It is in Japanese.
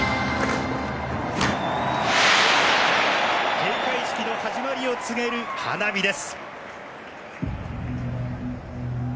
閉会式の始まりを告げる花火です！